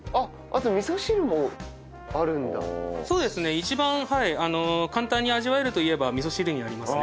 一番簡単に味わえるといえば味噌汁になりますね。